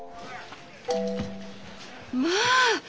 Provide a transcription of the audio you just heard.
まあ